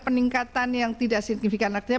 peningkatan yang tidak signifikan artinya